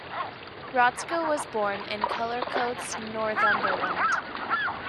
Rodska was born in Cullercoats, Northumberland.